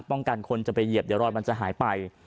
คนจะไปเหยียบเดี๋ยวรอยมันจะหายไป